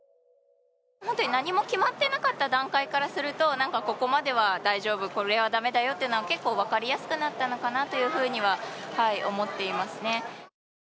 何も決まっていなかった段階からすると、ここまでは大丈夫これは駄目だよというのは結構分かりやすくなったのかなというふうには思ってますね。